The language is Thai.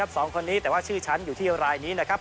สองคนนี้แต่ว่าชื่อฉันอยู่ที่รายนี้นะครับ